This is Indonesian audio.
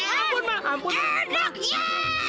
ampun pak ampun